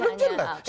ya belum jelas